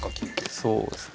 そうですね。